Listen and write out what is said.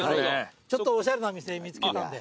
ちょっとおしゃれな店見つけたんで。